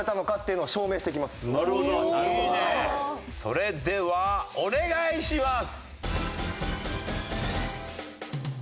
それではお願いします。